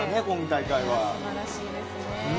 今大会は。